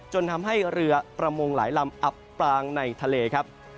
จนทำให้เรือประมงหลายลำอับปลางในทะเลครับ